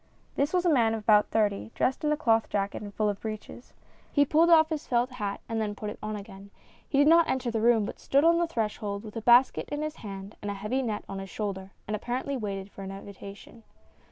This was a man of about thirty, dressed in a cloth jacket and full breeches. He pulled off his felt hat and then put it on again ; he did not enter the room, but stood on the threshhold with a basket in his hand and a heavy net on his shoulder, and apparently waited for an invitation.